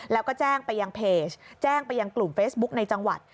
แล้วก็แจ้งไปยังเพจแจ้งไปยังกลุ่มเฟซบุ๊กในจังหวัด